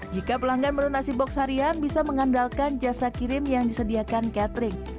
jika pelanggan menu nasi box harian bisa mengandalkan jasa kirim yang disediakan catering